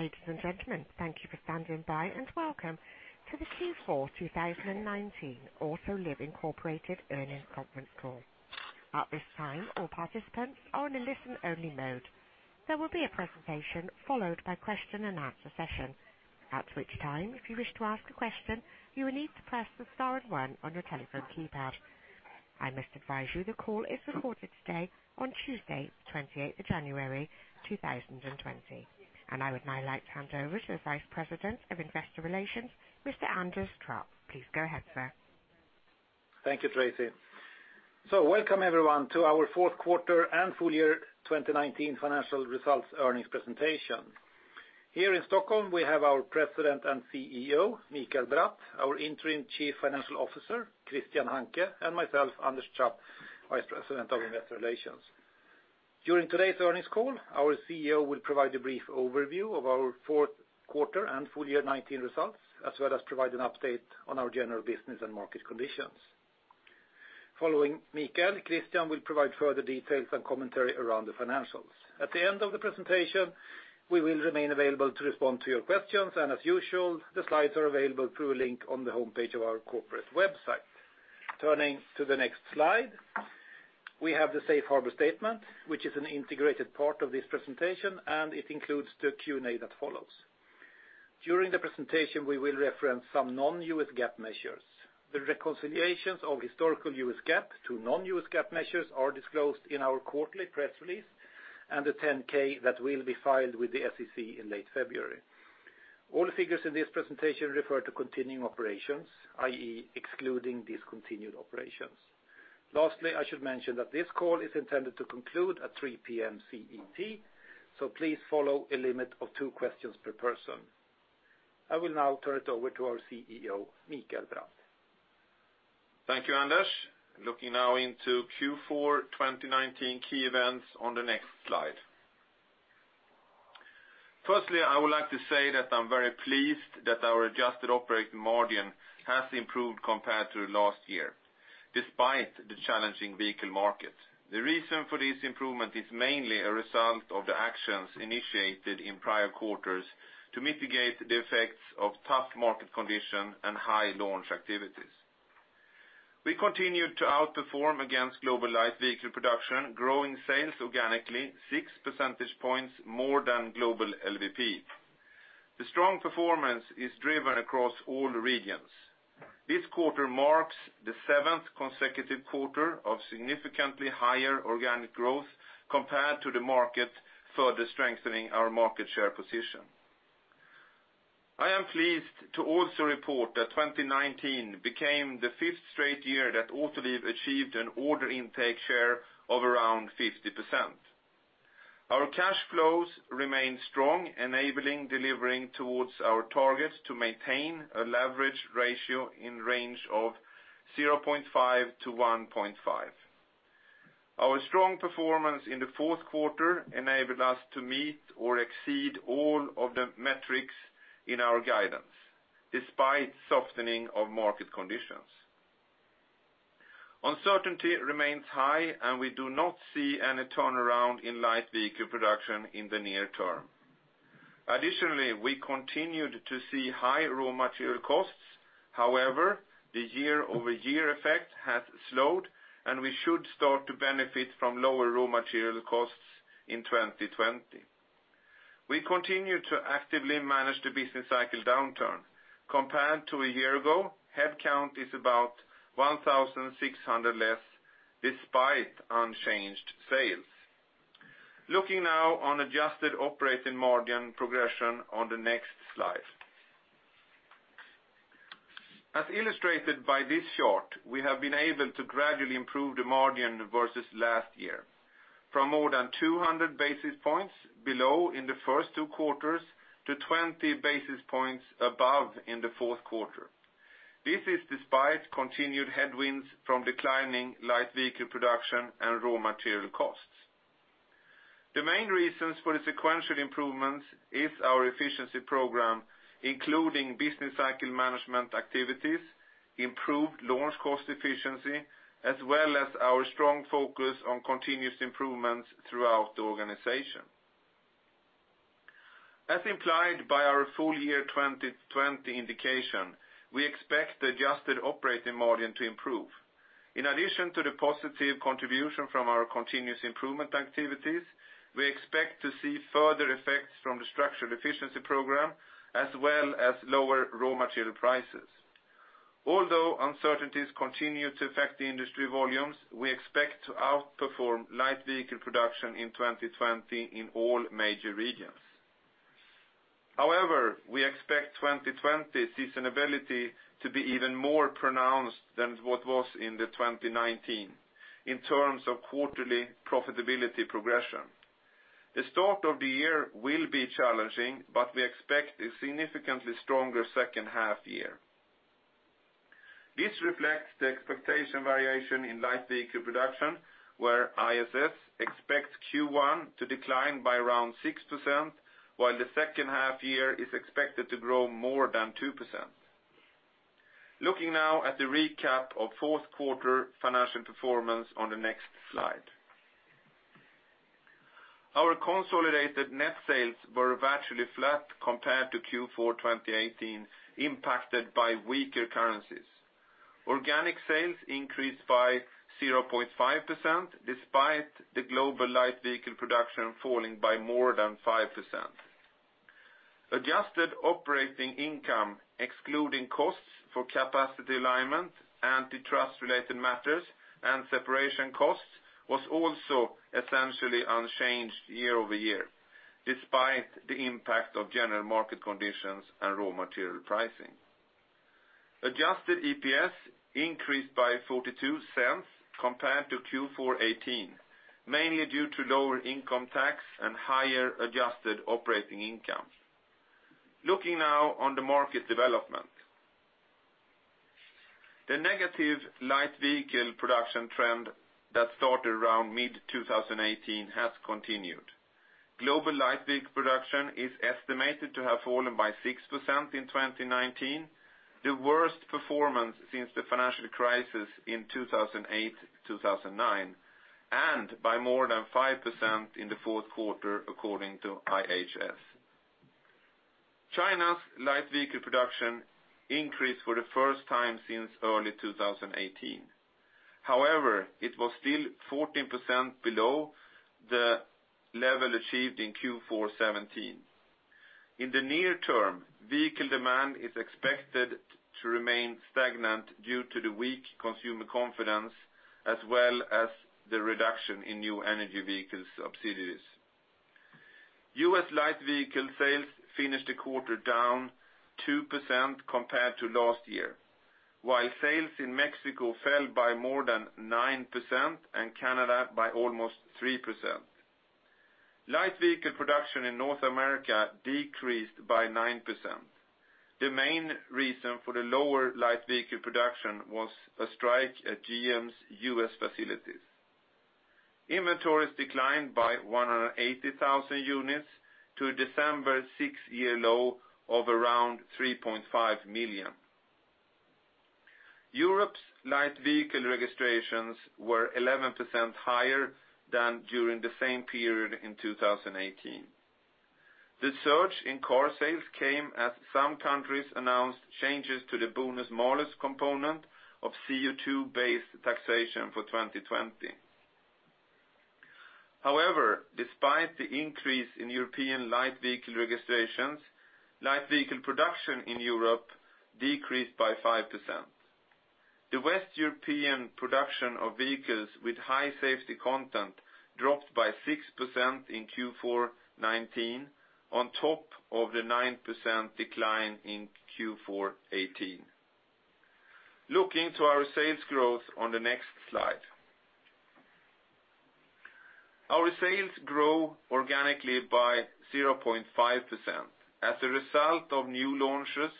Ladies and gentlemen, thank you for standing by. Welcome to the Q4 2019 Autoliv, Inc. Earnings Conference Call. At this time, all participants are in a listen-only mode. There will be a presentation followed by question and answer session. At which time, if you wish to ask a question, you will need to press the star and one on your telephone keypad. I must advise you the call is recorded today on Tuesday, 28th of January, 2020. I would now like to hand over to the Vice President of Investor Relations, Mr. Anders Trapp. Please go ahead, sir. Thank you, Tracy. Welcome everyone, to our fourth quarter and full year 2019 financial results earnings presentation. Here in Stockholm, we have our President and CEO, Mikael Bratt, our Interim Chief Financial Officer, Christian Hanke, and myself, Anders Trapp, Vice President of Investor Relations. During today's earnings call, our CEO will provide a brief overview of our fourth quarter and full year 2019 results, as well as provide an update on our general business and market conditions. Following Mikael, Christian will provide further details and commentary around the financials. At the end of the presentation, we will remain available to respond to your questions, and as usual, the slides are available through a link on the homepage of our corporate website. Turning to the next slide. We have the safe harbor statement, which is an integrated part of this presentation, and it includes the Q&A that follows. During the presentation, we will reference some non-US GAAP measures. The reconciliations of historical US GAAP to non-US GAAP measures are disclosed in our quarterly press release and the 10-K that will be filed with the SEC in late February. All the figures in this presentation refer to continuing operations, i.e., excluding discontinued operations. Lastly, I should mention that this call is intended to conclude at 3:00 P.M. CET, so please follow a limit of two questions per person. I will now turn it over to our CEO, Mikael Bratt. Thank you, Anders. Looking now into Q4 2019 key events on the next slide. Firstly, I would like to say that I'm very pleased that our adjusted operating margin has improved compared to last year, despite the challenging vehicle market. The reason for this improvement is mainly a result of the actions initiated in prior quarters to mitigate the effects of tough market condition and high launch activities. We continued to outperform against global light vehicle production, growing sales organically, six percentage points more than global LVP. The strong performance is driven across all regions. This quarter marks the seventh consecutive quarter of significantly higher organic growth compared to the market, further strengthening our market share position. I am pleased to also report that 2019 became the fifth straight year that Autoliv achieved an order intake share of around 50%. Our cash flows remain strong, enabling delivering towards our targets to maintain a leverage ratio in range of 0.5-1.5. Our strong performance in the fourth quarter enabled us to meet or exceed all of the metrics in our guidance, despite softening of market conditions. Uncertainty remains high, we do not see any turnaround in Light Vehicle Production in the near term. Additionally, we continued to see high raw material costs. However, the year-over-year effect has slowed, and we should start to benefit from lower raw material costs in 2020. We continue to actively manage the business cycle downturn. Compared to a year ago, headcount is about 1,600 less despite unchanged sales. Looking now on adjusted operating margin progression on the next slide. As illustrated by this chart, we have been able to gradually improve the margin versus last year from more than 200 basis points below in the first two quarters to 20 basis points above in the fourth quarter. This is despite continued headwinds from declining light vehicle production and raw material costs. The main reasons for the sequential improvements is our efficiency program, including business cycle management activities, improved launch cost efficiency, as well as our strong focus on continuous improvements throughout the organization. As implied by our full year 2020 indication, we expect the adjusted operating margin to improve. In addition to the positive contribution from our continuous improvement activities, we expect to see further effects from the structural efficiency program, as well as lower raw material prices. Although uncertainties continue to affect the industry volumes, we expect to outperform light vehicle production in 2020 in all major regions. We expect 2020 seasonality to be even more pronounced than what was in the 2019 in terms of quarterly profitability progression. The start of the year will be challenging, we expect a significantly stronger second half year. This reflects the expectation variation in light vehicle production, where IHS expects Q1 to decline by around 6%, while the second half year is expected to grow more than 2%. Looking now at the recap of fourth quarter financial performance on the next slide. Our consolidated net sales were virtually flat compared to Q4 2018, impacted by weaker currencies. Organic sales increased by 0.5%, despite the global light vehicle production falling by more than 5%. Adjusted operating income, excluding costs for capacity alignment, antitrust related matters, and separation costs, was also essentially unchanged year-over-year, despite the impact of general market conditions and raw material pricing. Adjusted EPS increased by $0.42 compared to Q4 2018, mainly due to lower income tax and higher adjusted operating income. Looking now on the market development. The negative light vehicle production trend that started around mid-2018 has continued. Global light vehicle production is estimated to have fallen by 6% in 2019, the worst performance since the financial crisis in 2008-2009, and by more than 5% in the fourth quarter, according to IHS. China's light vehicle production increased for the first time since early 2018. It was still 14% below the level achieved in Q4 2017. In the near term, vehicle demand is expected to remain stagnant due to the weak consumer confidence, as well as the reduction in new energy vehicles subsidies. U.S. light vehicle sales finished the quarter down 2% compared to last year, while sales in Mexico fell by more than 9% and Canada by almost 3%. Light vehicle production in North America decreased by 9%. The main reason for the lower light vehicle production was a strike at GM's U.S. facilities. Inventories declined by 180,000 units to a December six-year low of around 3.5 million. Europe's light vehicle registrations were 11% higher than during the same period in 2018. The surge in car sales came as some countries announced changes to the bonus-malus component of CO2-based taxation for 2020. Despite the increase in European light vehicle registrations, light vehicle production in Europe decreased by 5%. The West European production of vehicles with high safety content dropped by 6% in Q4 2019, on top of the 9% decline in Q4 2018. Looking to our sales growth on the next slide. Our sales grew organically by 0.5%. As a result of new launches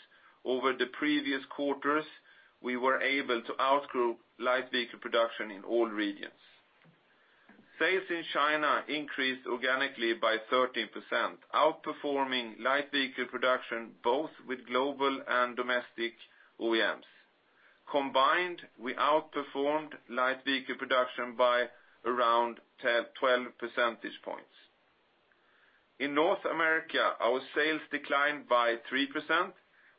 over the previous quarters, we were able to outgrow light vehicle production in all regions. Sales in China increased organically by 13%, outperforming light vehicle production, both with global and domestic OEMs. Combined, we outperformed light vehicle production by around 12 percentage points. In North America, our sales declined by 3%,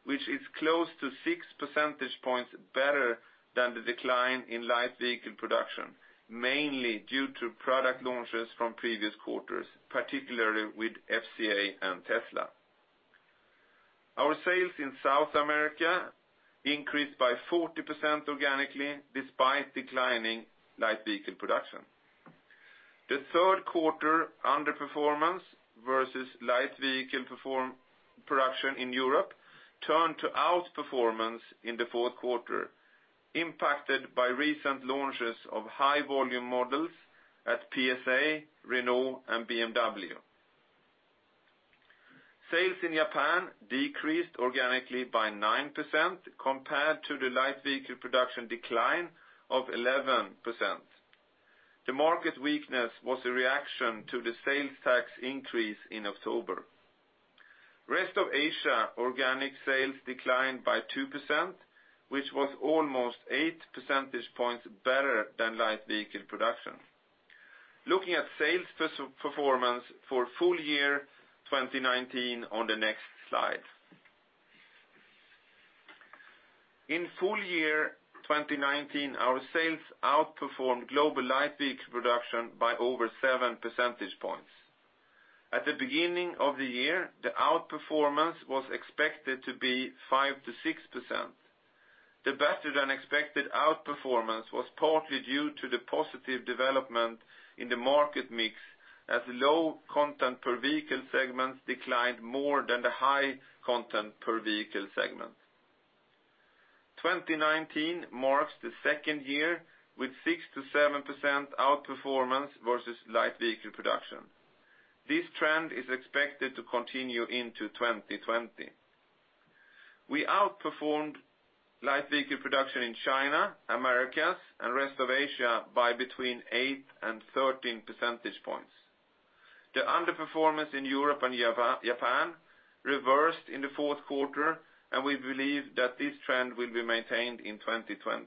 which is close to 6 percentage points better than the decline in light vehicle production, mainly due to product launches from previous quarters, particularly with FCA and Tesla. Our sales in South America increased by 40% organically despite declining light vehicle production. The third quarter underperformance versus light vehicle production in Europe turned to outperformance in the fourth quarter, impacted by recent launches of high volume models at PSA, Renault, and BMW. Sales in Japan decreased organically by 9% compared to the light vehicle production decline of 11%. The market weakness was a reaction to the sales tax increase in October. Rest of Asia organic sales declined by 2%, which was almost 8 percentage points better than light vehicle production. Looking at sales performance for full year 2019 on the next slide. In full year 2019, our sales outperformed global light vehicle production by over 7 percentage points. At the beginning of the year, the outperformance was expected to be 5%-6%. The better-than-expected outperformance was partly due to the positive development in the market mix, as low content per vehicle segments declined more than the high content per vehicle segment. 2019 marks the second year with 6%-7% outperformance versus light vehicle production. This trend is expected to continue into 2020. We outperformed light vehicle production in China, Americas, and rest of Asia by between eight and 13 percentage points. The underperformance in Europe and Japan reversed in the fourth quarter, and we believe that this trend will be maintained in 2020.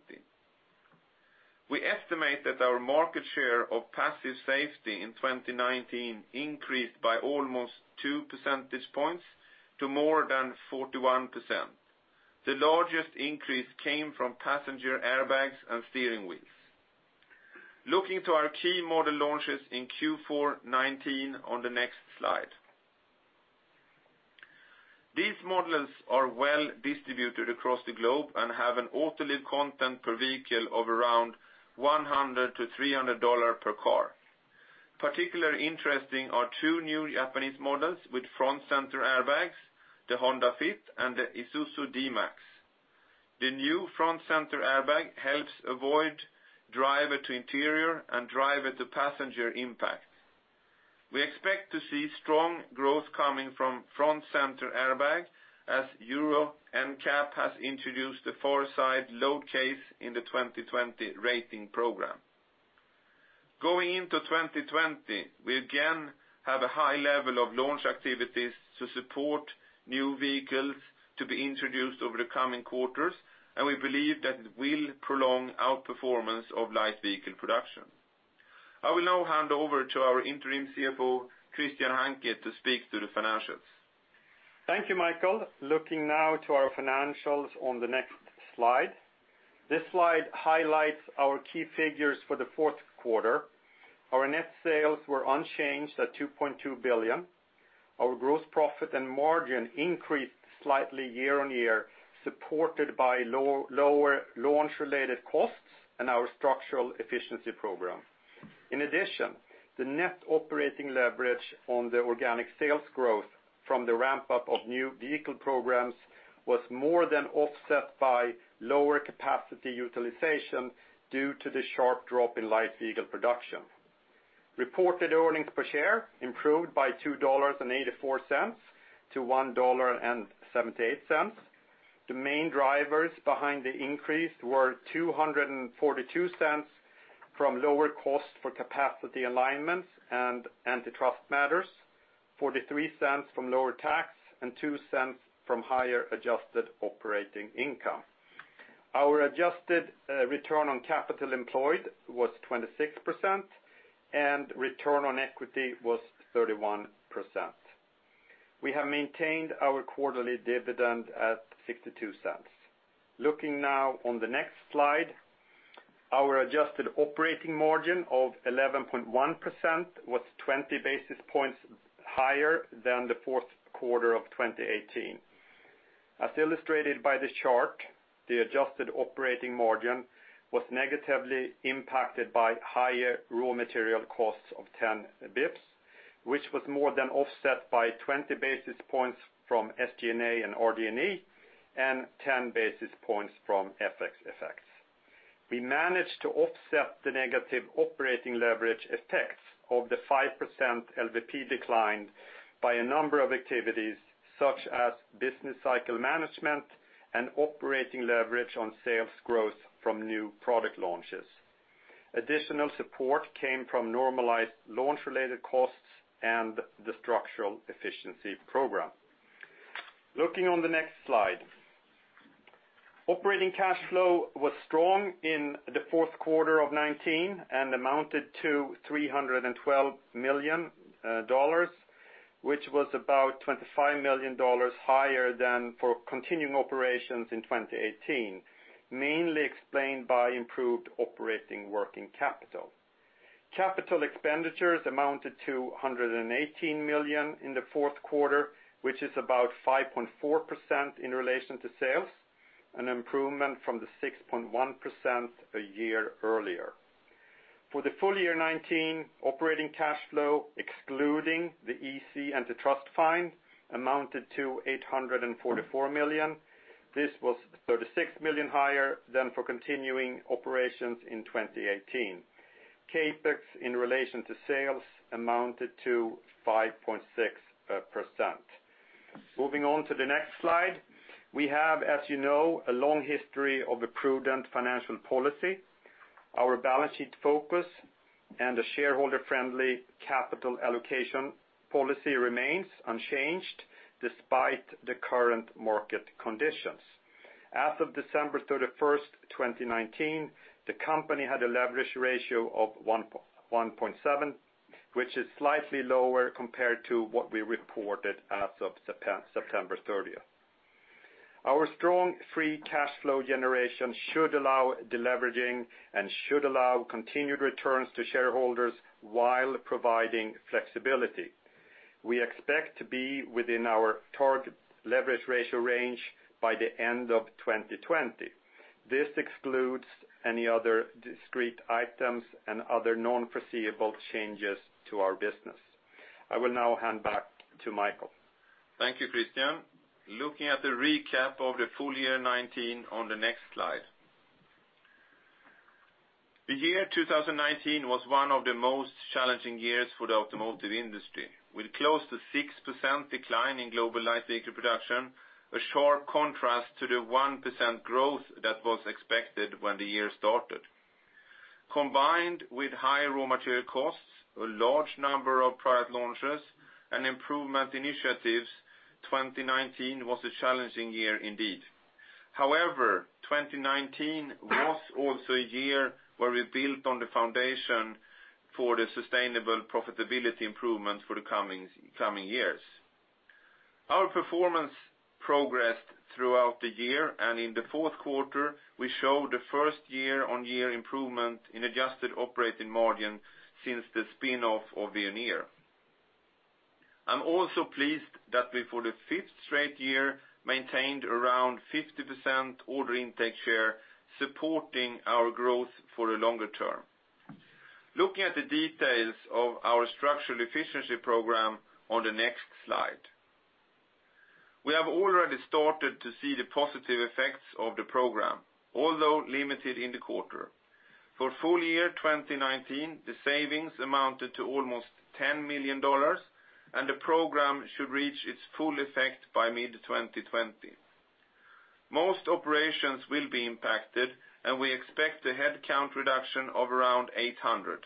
We estimate that our market share of passive safety in 2019 increased by almost 2 percentage points to more than 41%. The largest increase came from passenger airbags and steering wheels. Looking to our key model launches in Q4 2019 on the next slide. These models are well distributed across the globe and have an Autoliv content per vehicle of around $100-$300 per car. Particularly interesting are two new Japanese models with Front Center Airbags, the Honda Fit and the Isuzu D-Max. The new Front Center Airbag helps avoid driver to interior and driver to passenger impact. We expect to see strong growth coming from Front Center Airbag as Euro NCAP has introduced the far-side load case in the 2020 rating program. Going into 2020, we again have a high level of launch activities to support new vehicles to be introduced over the coming quarters, and we believe that will prolong our performance of light vehicle production. I will now hand over to our interim CFO, Christian Hanke, to speak to the financials. Thank you, Mikael. Looking now to our financials on the next slide. This slide highlights our key figures for the fourth quarter. Our net sales were unchanged at $2.2 billion. Our gross profit and margin increased slightly year-over-year, supported by lower launch-related costs and our structural efficiency program. In addition, the net operating leverage on the organic sales growth from the ramp-up of new vehicle programs was more than offset by lower capacity utilization due to the sharp drop in light vehicle production. Reported earnings per share improved by $2.84-$1.78. The main drivers behind the increase were $2.42 from lower cost for capacity alignments and antitrust matters, $0.43 from lower tax, and $0.02 from higher adjusted operating income. Our adjusted return on capital employed was 26%, and return on equity was 31%. We have maintained our quarterly dividend at $0.62. Looking now on the next slide. Our adjusted operating margin of 11.1% was 20 basis points higher than the fourth quarter of 2018. As illustrated by the chart, the adjusted operating margin was negatively impacted by higher raw material costs of 10 basis points, which was more than offset by 20 basis points from SG&A and RD&E and 10 basis points from FX effects. We managed to offset the negative operating leverage effects of the 5% LVP decline by a number of activities, such as business cycle management and operating leverage on sales growth from new product launches. Additional support came from normalized launch-related costs and the structural efficiency program. Looking on the next slide. Operating cash flow was strong in the fourth quarter of 2019 and amounted to $312 million, which was about $25 million higher than for continuing operations in 2018, mainly explained by improved operating working capital. Capital expenditures amounted to $118 million in the fourth quarter, which is about 5.4% in relation to sales, an improvement from the 6.1% a year earlier. For the full year 2019, operating cash flow, excluding the EC antitrust fine, amounted to $844 million. This was $36 million higher than for continuing operations in 2018. CapEx in relation to sales amounted to 5.6%. Moving on to the next slide. We have, as you know, a long history of a prudent financial policy. Our balance sheet focus and a shareholder-friendly capital allocation policy remains unchanged despite the current market conditions. As of December 31st, 2019, the company had a leverage ratio of 1.7, which is slightly lower compared to what we reported as of September 30th. Our strong free cash flow generation should allow deleveraging and should allow continued returns to shareholders while providing flexibility. We expect to be within our target leverage ratio range by the end of 2020. This excludes any other discrete items and other non-foreseeable changes to our business. I will now hand back to Mikael. Thank you, Christian. Looking at the recap of the full year 2019 on the next slide. The year 2019 was one of the most challenging years for the automotive industry. With close to 6% decline in global light vehicle production, a sharp contrast to the 1% growth that was expected when the year started. Combined with high raw material costs, a large number of product launches, and improvement initiatives, 2019 was a challenging year indeed. 2019 was also a year where we built on the foundation for the sustainable profitability improvement for the coming years. Our performance progressed throughout the year, and in the fourth quarter, we showed the first year-on-year improvement in adjusted operating margin since the spin-off of Veoneer. I'm also pleased that we, for the fifth straight year, maintained around 50% order intake share, supporting our growth for the longer term. Looking at the details of our structural efficiency program on the next slide. We have already started to see the positive effects of the program, although limited in the quarter. For full year 2019, the savings amounted to almost $10 million, and the program should reach its full effect by mid-2020. Most operations will be impacted, and we expect a headcount reduction of around 800.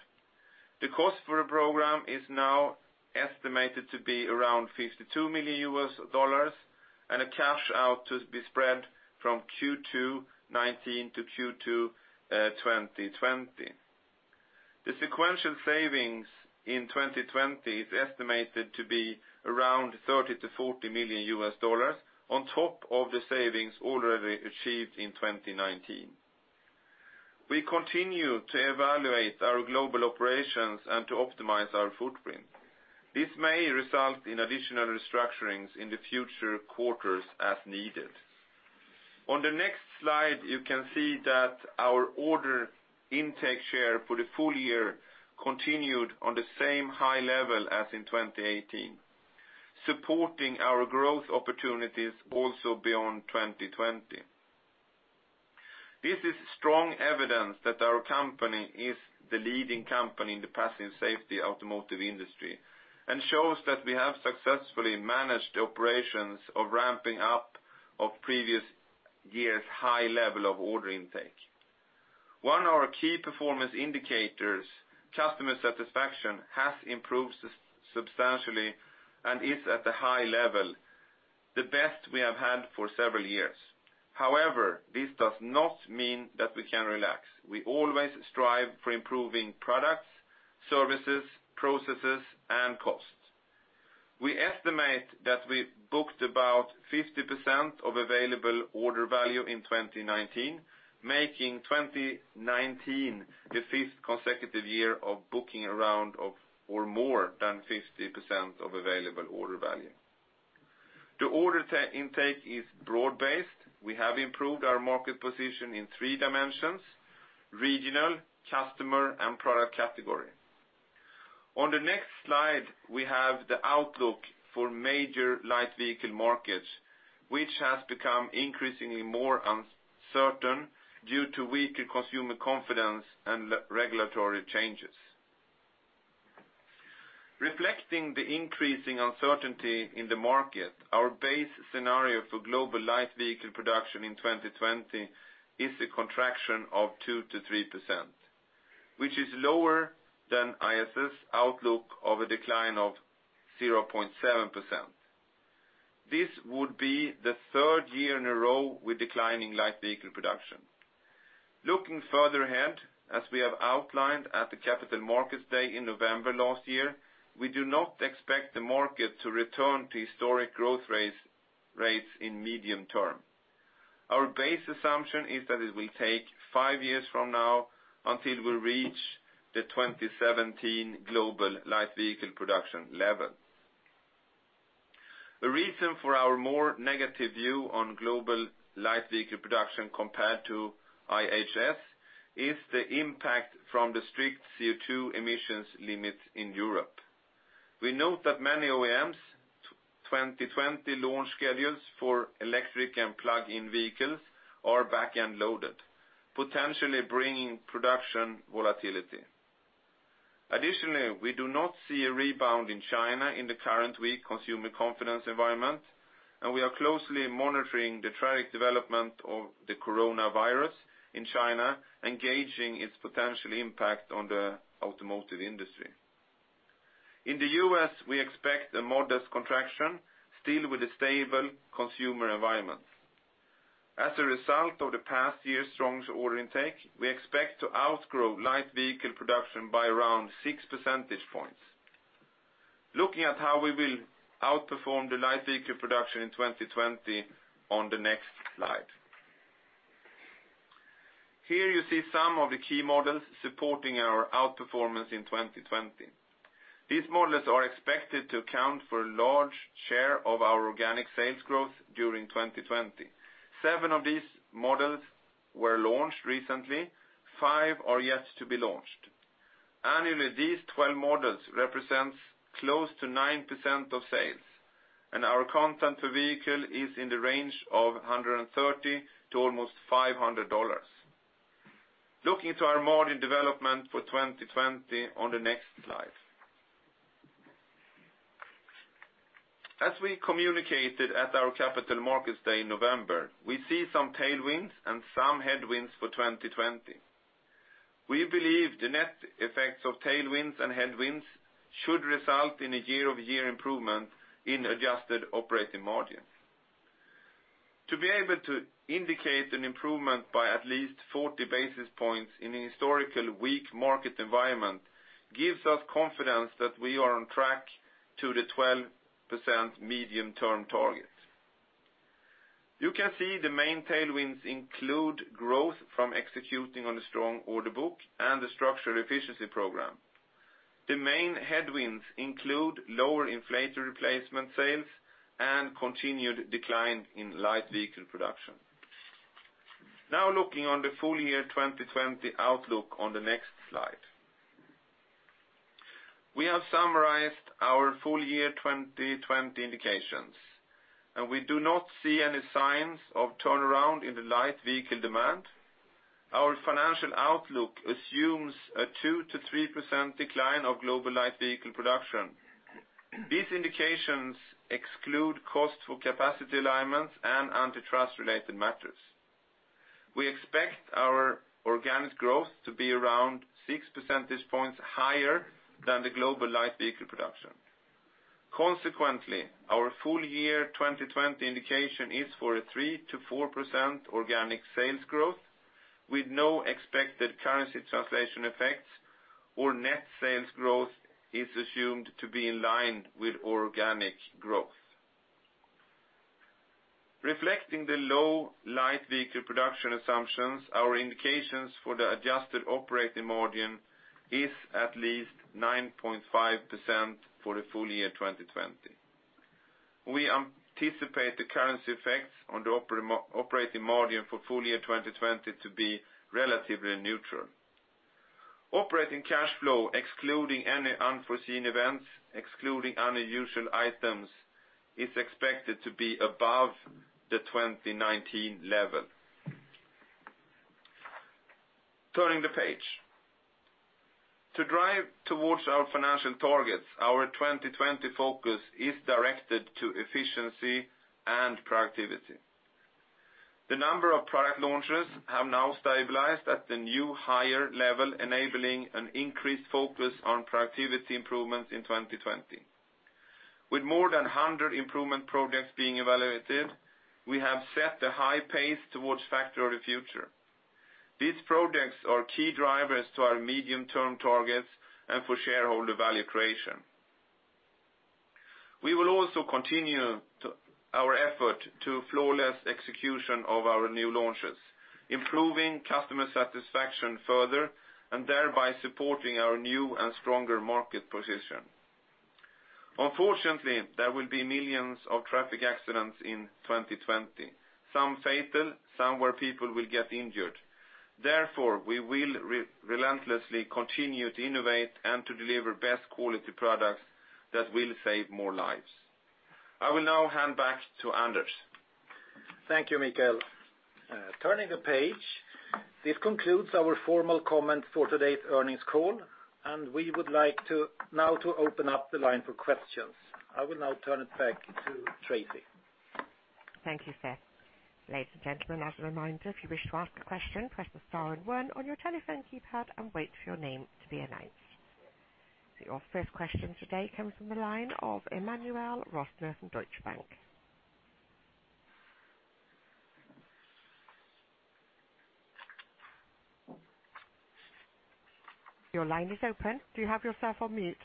The cost for the program is now estimated to be around $52 million, and the cash out to be spread from Q2 2019 to Q2 2020. The sequential savings in 2020 is estimated to be around $30 million-$40 million, on top of the savings already achieved in 2019. We continue to evaluate our global operations and to optimize our footprint. This may result in additional restructurings in the future quarters as needed. On the next slide, you can see that our order intake share for the full year continued on the same high level as in 2018, supporting our growth opportunities also beyond 2020. This is strong evidence that our company is the leading company in the passive safety automotive industry and shows that we have successfully managed operations of ramping up of previous year's high level of order intake. One of our key performance indicators, customer satisfaction, has improved substantially and is at the high level, the best we have had for several years. However, this does not mean that we can relax. We always strive for improving products, services, processes, and costs. We estimate that we booked about 50% of available order value in 2019, making 2019 the fifth consecutive year of booking around or more than 50% of available order value. The order intake is broad-based. We have improved our market position in three dimensions: regional, customer, and product category. On the next slide, we have the outlook for major light vehicle markets, which has become increasingly more uncertain due to weaker consumer confidence and regulatory changes. Reflecting the increasing uncertainty in the market, our base scenario for global light vehicle production in 2020 is a contraction of 2%-3%, which is lower than IHS outlook of a decline of 0.7%. This would be the third year in a row with declining light vehicle production. Looking further ahead, as we have outlined at the Capital Markets Day in November last year, we do not expect the market to return to historic growth rates in medium term. Our base assumption is that it will take five years from now until we reach the 2017 global light vehicle production level. The reason for our more negative view on global light vehicle production compared to IHS is the impact from the strict CO2 emissions limits in Europe. We note that many OEMs' 2020 launch schedules for electric and plug-in vehicles are back-end loaded, potentially bringing production volatility. We do not see a rebound in China in the current weak consumer confidence environment, and we are closely monitoring the tragic development of the coronavirus in China and gauging its potential impact on the automotive industry. In the U.S., we expect a modest contraction, still with a stable consumer environment. As a result of the past year's strong order intake, we expect to outgrow light vehicle production by around 6 percentage points. Looking at how we will outperform the light vehicle production in 2020 on the next slide. Here you see some of the key models supporting our outperformance in 2020. These models are expected to account for a large share of our organic sales growth during 2020. Seven of these models were launched recently, five are yet to be launched. Annually, these 12 models represent close to 9% of sales, and our content per vehicle is in the range of $130-$500. Looking to our modern development for 2020 on the next slide. We communicated at our Capital Markets Day in November, we see some tailwinds and some headwinds for 2020. We believe the net effects of tailwinds and headwinds should result in a year-over-year improvement in adjusted operating margin. To be able to indicate an improvement by at least 40 basis points in a historically weak market environment gives us confidence that we are on track to the 12% medium-term target. You can see the main tailwinds include growth from executing on a strong order book and the structural efficiency program. The main headwinds include lower inflator replacement sales and continued decline in light vehicle production. Looking at the full year 2020 outlook on the next slide. We have summarized our full year 2020 indications, and we do not see any signs of turnaround in the light vehicle demand. Our financial outlook assumes a 2%-3% decline of global light vehicle production. These indications exclude cost for capacity alignments and antitrust related matters. We expect our organic growth to be around 6 percentage points higher than the global light vehicle production. Our full year 2020 indication is for a 3%-4% organic sales growth with no expected currency translation effects, or net sales growth is assumed to be in line with organic growth. Reflecting the low light vehicle production assumptions, our indications for the adjusted operating margin is at least 9.5% for the full year 2020. We anticipate the currency effects on the operating margin for full year 2020 to be relatively neutral. Operating cash flow, excluding any unforeseen events, excluding unusual items, is expected to be above the 2019 level. Turning the page. To drive towards our financial targets, our 2020 focus is directed to efficiency and productivity. The number of product launches have now stabilized at the new higher level, enabling an increased focus on productivity improvements in 2020. With more than 100 improvement projects being evaluated, we have set a high pace towards Factory of the Future. These projects are key drivers to our medium-term targets and for shareholder value creation. We will also continue our effort to flawless execution of our new launches, improving customer satisfaction further, and thereby supporting our new and stronger market position. Unfortunately, there will be millions of traffic accidents in 2020, some fatal, some where people will get injured. Therefore, we will relentlessly continue to innovate and to deliver best quality products that will save more lives. I will now hand back to Anders. Thank you, Mikael. Turning the page. This concludes our formal comments for today's earnings call, and we would like now to open up the line for questions. I will now turn it back to Tracy. Thank you, sir. Ladies and gentlemen, as a reminder, if you wish to ask a question, press the star and one on your telephone keypad and wait for your name to be announced. Your first question today comes from the line of Emmanuel Rosner from Deutsche Bank. Your line is open. Do you have yourself on mute?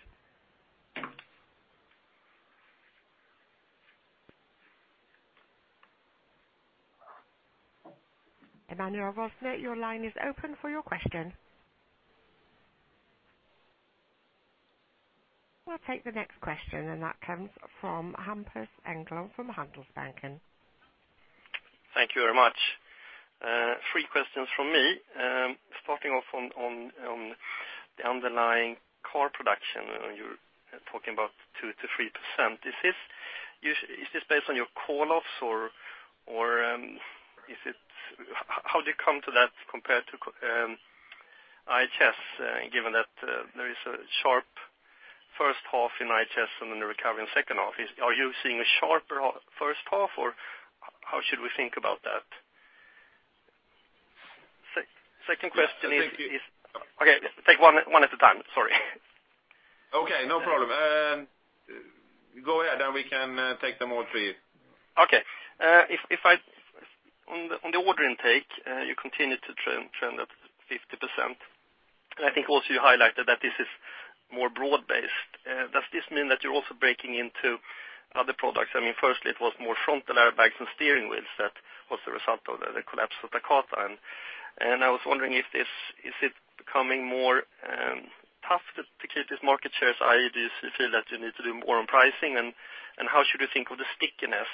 Emmanuel Rosner, your line is open for your question. We'll take the next question, and that comes from Hampus Engellau from Handelsbanken. Thank you very much. Three questions from me. Starting off on the underlying car production, you're talking about 2%-3%. Is this based on your call-offs, or how do you come to that compared to IHS, given that there is a sharp first half in IHS and then a recovery in the second half? Are you seeing a sharper first half, or how should we think about that? Second question is- Yeah, I think. Okay, take one at a time. Sorry. Okay, no problem. Go ahead, and we can take them all three. Okay. On the order intake, you continued to trend at 50%. I think also you highlighted that this is more broad-based. Does this mean that you're also breaking into other products? Firstly, it was more frontal airbags than steering wheels. That was the result of the collapse of Takata. I was wondering, is it becoming more tough to keep these market shares, i.e., do you feel that you need to do more on pricing? How should you think of the stickiness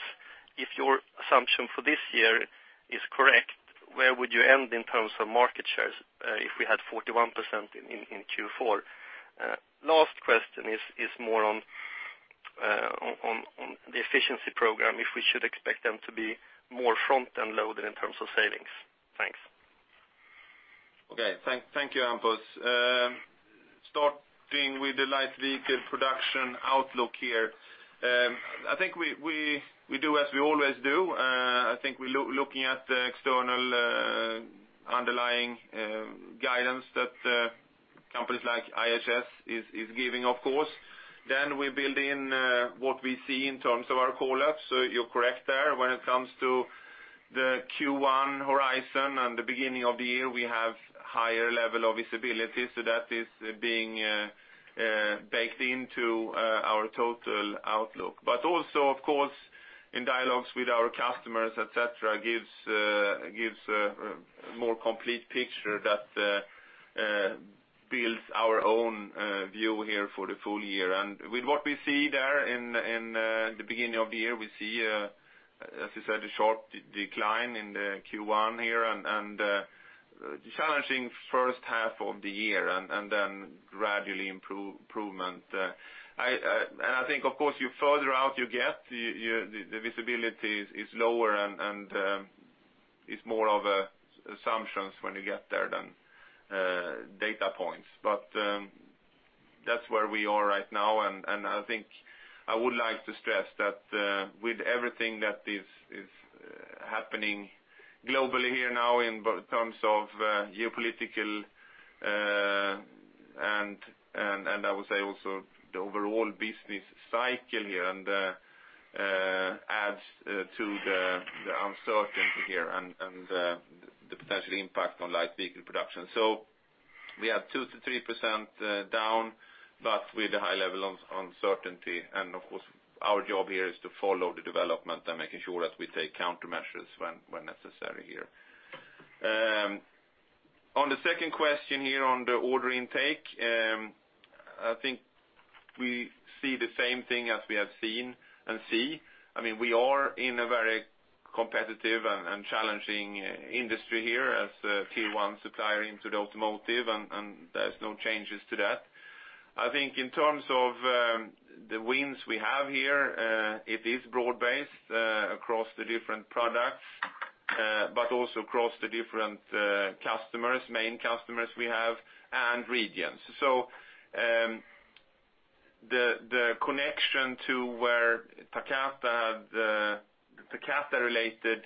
if your assumption for this year is correct, where would you end in terms of market shares if we had 41% in Q4? Last question is more on the efficiency program, if we should expect them to be more front-end loaded in terms of savings. Thanks. Thank you, Hampus. Starting with the light vehicle production outlook here. I think we do as we always do. I think we're looking at the external underlying guidance that companies like IHS is giving, of course. We build in what we see in terms of our call-offs. You're correct there. When it comes to the Q1 horizon and the beginning of the year, we have higher level of visibility. Of course, in dialogues with our customers, et cetera, gives a more complete picture that builds our own view here for the full year. With what we see there in the beginning of the year, we see, as you said, a short decline in the Q1 here and a challenging first half of the year, and then gradually improvement. I think, of course, the further out you get, the visibility is lower and it's more of assumptions when you get there than data points. That's where we are right now, and I think I would like to stress that with everything that is happening globally here now in terms of geopolitical, and I would say also the overall business cycle here, and adds to the uncertainty here and the potential impact on light vehicle production. We are 2%-3% down, but with a high level of uncertainty. Of course, our job here is to follow the development and making sure that we take countermeasures when necessary here. On the second question here on the order intake, I think we see the same thing as we have seen and see. We are in a very competitive and challenging industry here as a tier one supplier into the automotive, there's no changes to that. I think in terms of the wins we have here, it is broad-based across the different products, but also across the different customers, main customers we have and regions. The connection to where Takata related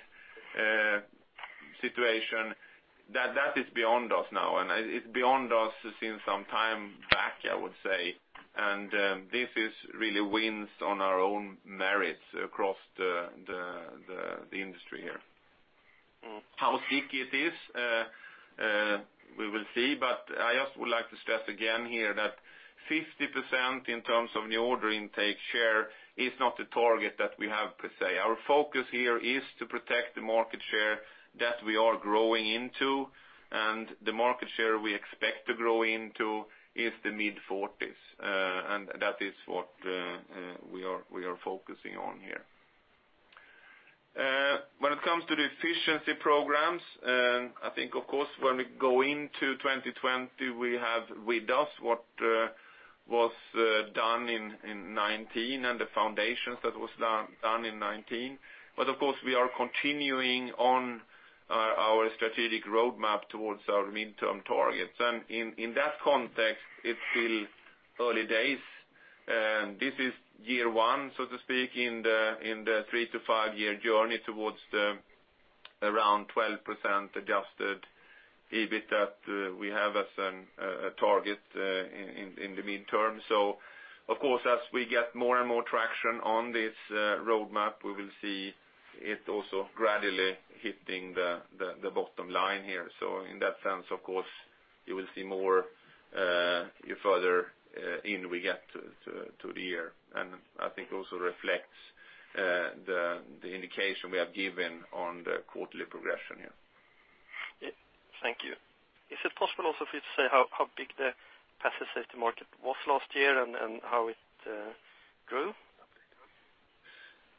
situation, that is beyond us now, and it's beyond us since some time back, I would say. This is really wins on our own merits across the industry here. How sticky it is, we will see, but I just would like to stress again here that 50% in terms of new order intake share is not the target that we have, per se. Our focus here is to protect the market share that we are growing into, and the market share we expect to grow into is the mid-40s. That is what we are focusing on here. When it comes to the efficiency programs, I think, of course, when we go into 2020, we have with us what was done in 2019 and the foundations that was done in 2019. Of course, we are continuing on our strategic roadmap towards our midterm targets. In that context, it's still early days. This is year one, so to speak, in the three to five-year journey towards the around 12% adjusted EBIT that we have as a target in the midterm. Of course, as we get more and more traction on this roadmap, we will see it also gradually hitting the bottom line here. In that sense, of course, you will see more the further in we get to the year. I think also reflects the indication we have given on the quarterly progression here. Thank you. Is it possible also for you to say how big the passive safety market was last year and how it grew?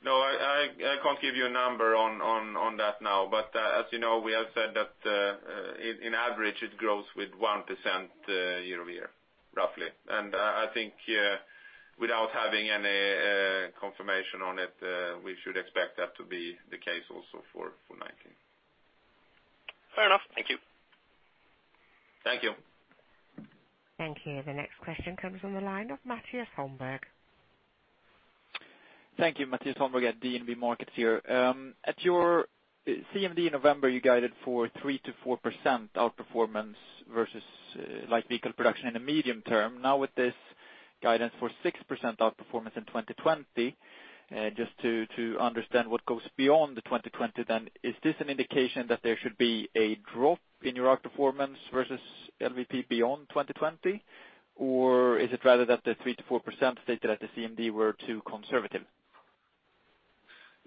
I can't give you a number on that now. As you know, we have said that on average, it grows with 1% year-over-year, roughly. I think without having any confirmation on it, we should expect that to be the case also for 2019. Fair enough. Thank you. Thank you. Thank you. The next question comes from the line of Mattias Holmberg. Thank you. Mattias Holmberg at DNB Markets here. At your CMD in November, you guided for 3%-4% outperformance versus light vehicle production in the medium term. With this guidance for 6% outperformance in 2020, just to understand what goes beyond the 2020 then. Is this an indication that there should be a drop in your outperformance versus LVP beyond 2020? Is it rather that the 3%-4% stated at the CMD were too conservative?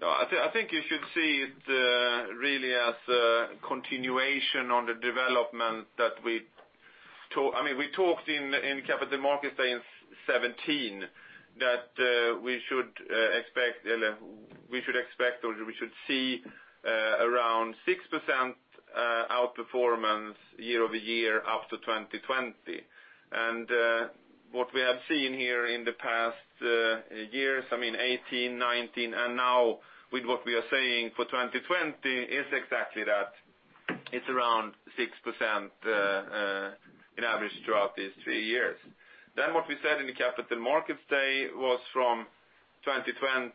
No, I think you should see it really as a continuation on the development that we talked in Capital Markets Day in 2017 that we should expect, or we should see around 6% outperformance year-over-year after 2020. What we have seen here in the past years, 2018, 2019, and now with what we are saying for 2020, is exactly that. It's around 6% in average throughout these three years. What we said in the Capital Markets Day was from 2020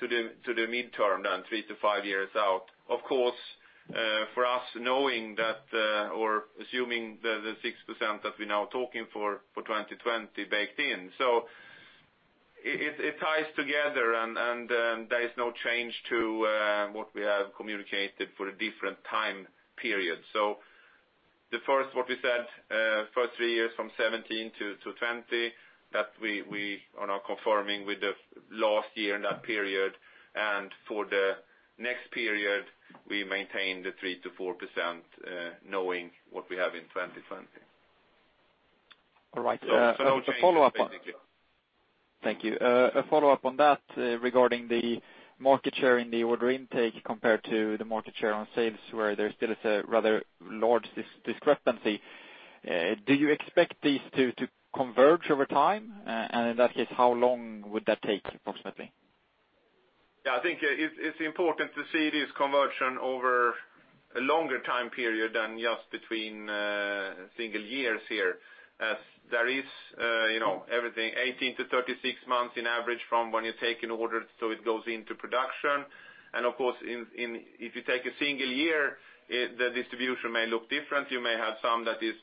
to the midterm, then three to five years out. Of course, for us, knowing that or assuming the 6% that we're now talking for 2020 baked in. It ties together, and there is no change to what we have communicated for a different time period. The first, what we said first three years from 2017 to 2020, that we are now confirming with the last year in that period. For the next period, we maintain the 3%-4% knowing what we have in 2020. All right. A follow-up on- No change, basically. Thank you. A follow-up on that regarding the market share in the order intake compared to the market share on sales, where there still is a rather large discrepancy. Do you expect these two to converge over time? In that case, how long would that take, approximately? Yeah, I think it's important to see this conversion over a longer time period than just between single years here. There is everything 18 months-36 months on average from when you take an order, so it goes into production. Of course, if you take a single year, the distribution may look different. You may have some that is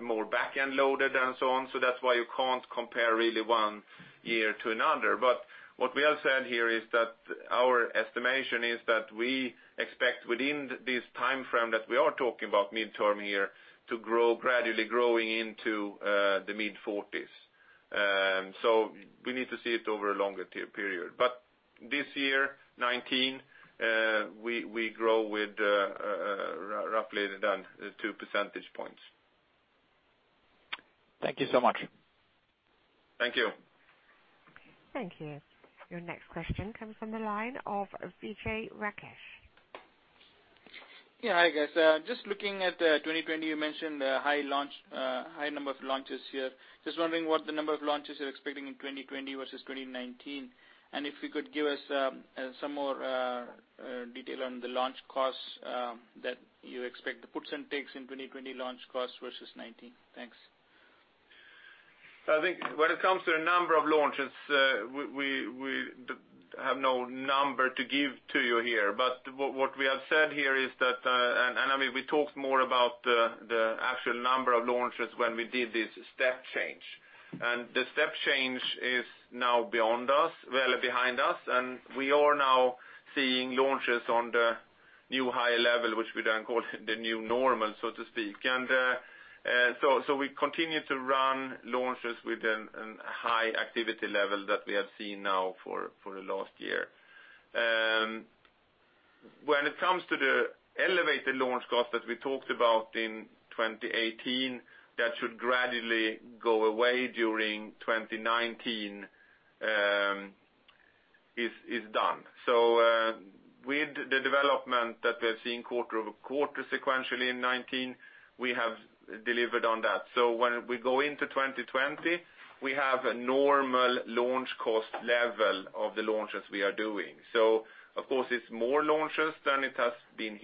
more back-end loaded and so on. That's why you can't compare really one year to another. What we have said here is that our estimation is that we expect within this time frame that we are talking about midterm year to gradually growing into the mid-40s. We need to see it over a longer period. This year, 2019, we grow with roughly 2 percentage points. Thank you so much. Thank you. Thank you. Your next question comes from the line of Vijay Rakesh. Yeah. Hi, guys. Just looking at the 2020, you mentioned high number of launches here. Just wondering what the number of launches you're expecting in 2020 versus 2019. If you could give us some more detail on the launch costs that you expect, the puts and takes in 2020 launch costs versus 2019. Thanks. I think when it comes to the number of launches, we have no number to give to you here. What we have said here is that, and we talked more about the actual number of launches when we did this step change. The step change is now beyond us, well behind us, and we are now seeing launches on the new high level, which we then call the new normal, so to speak. We continue to run launches with a high activity level that we have seen now for the last year. When it comes to the elevated launch cost that we talked about in 2018, that should gradually go away during 2019 is done. With the development that we're seeing quarter-over-quarter sequentially in 2019, we have delivered on that. When we go into 2020, we have a normal launch cost level of the launches we are doing. Of course it's more launches than it has been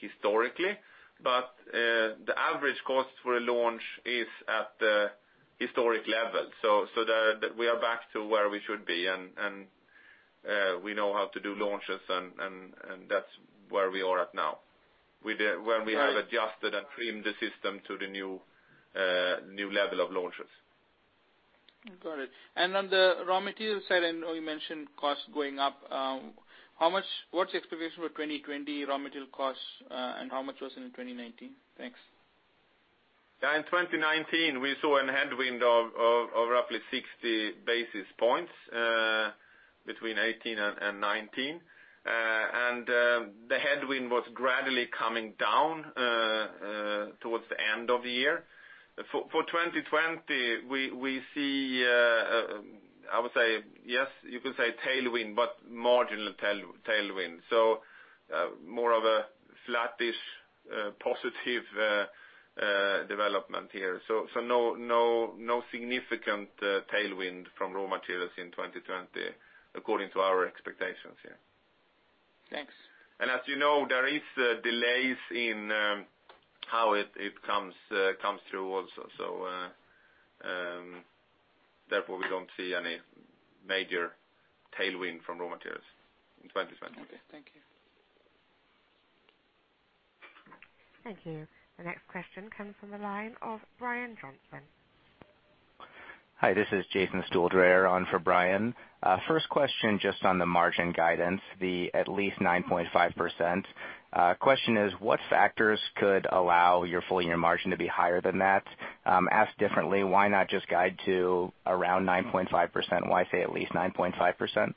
historically, but the average cost for a launch is at the historic level. We are back to where we should be, and we know how to do launches, and that's where we are at now, where we have adjusted and trimmed the system to the new level of launches. Got it. On the raw material side, I know you mentioned costs going up. What's the expectation for 2020 raw material costs, and how much was it in 2019? Thanks. In 2019, we saw a headwind of roughly 60 basis points between 2018 and 2019. The headwind was gradually coming down toward the end of the year. For 2020, we see, I would say, yes, you could say tailwind, but marginal tailwind. More of a flattish positive development here. No significant tailwind from raw materials in 2020 according to our expectations here. Thanks. As you know, there is delays in how it comes through also. Therefore, we don't see any major tailwind from raw materials in 2020. Okay. Thank you. Thank you. The next question comes from the line of Brian Johnson. Hi, this is Jason Stuhldreher on for Brian. First question, just on the margin guidance, the at least 9.5%. Question is, what factors could allow your full year margin to be higher than that? Asked differently, why not just guide to around 9.5%? Why say at least 9.5%?